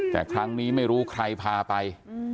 แต่ครั้งนี้ไม่รู้ใครพาไป